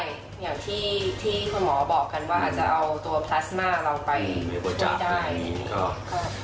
อย่างที่คุณหมอบอกกันว่าอาจจะเอาตัวพลาสมาเราไปไม่ได้